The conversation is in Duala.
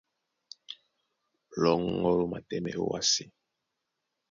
Lɔ́ŋgɔ́ ló matɛ́mɛ́ ówásē.